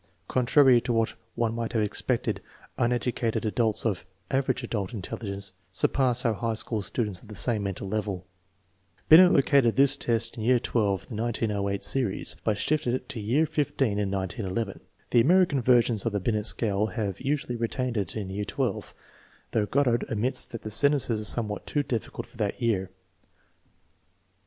Contrary to what one would have ex pected, uneducated adults of " average adult " intelligence surpassed our high school students of the same mental level. Binet located this test in year XII of the 1908 series, but shifted it to year XV in 1911. The American versions of the Binet scale have usually retained it in year XII, though Goddard admits that the sentences are somewhat too diffi cult for that year.